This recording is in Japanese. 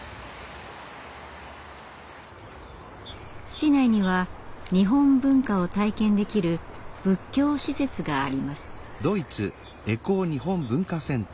市内には日本文化を体験できる仏教施設があります。